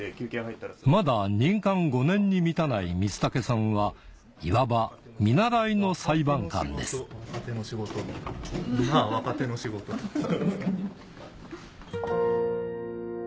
まだ任官５年に満たない光武さんはいわば見習いの裁判官ですまぁ若手の仕事です。